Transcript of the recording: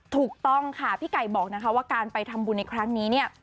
ถูกต้องค่ะพี่ไก่บอกนะคะว่าการไปทำบุญในครั้งนี้เนี่ย